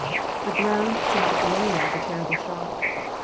The ground seemed to groan with the terrible shock.